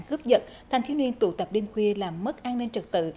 hướp dật thanh thiếu niên tụ tập đêm khuya làm mất an ninh trật tự